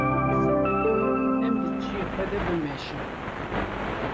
Em di cihê xwe de bimeşin.